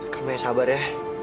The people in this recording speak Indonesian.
kamu yang sabar ya